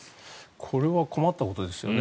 これは困ったことですよね。